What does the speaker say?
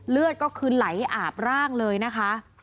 เลือดก็คือไหลอาบร่างเลยนะคะ